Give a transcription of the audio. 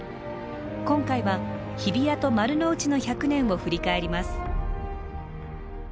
今回は日比谷と丸の内の１００年を振り返ります。